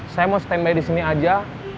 saya mau stand by di sini aja